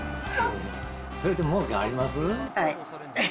それってもうけあります？